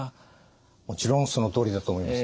もちろんそのとおりだと思います。